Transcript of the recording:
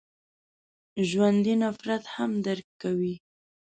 ژوندي نفرت هم درک کوي